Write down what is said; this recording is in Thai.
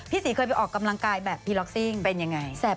ศรีเคยไปออกกำลังกายแบบพีล็อกซิ่งเป็นยังไง